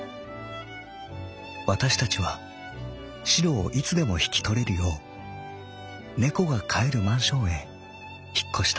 わたしたちはしろをいつでもひきとれるよう猫が飼えるマンションへ引っ越した。